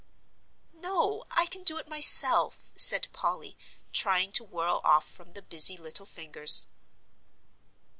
"No, I can do it myself," said Polly, trying to whirl off from the busy little fingers.